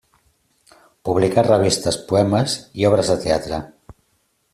Publicà revistes, poemes i obres de teatre.